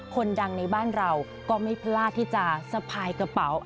คนดังในบ้านเราก็ไม่พลาดที่จะสะพายกระเป๋า